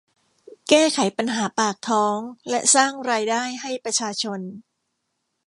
แก้ไขปัญหาปากท้องและสร้างรายได้ให้ประชาชน